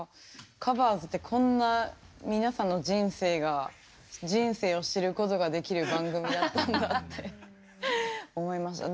「ＴｈｅＣｏｖｅｒｓ」ってこんな皆さんの人生が人生を知ることができる番組だったんだって思いました。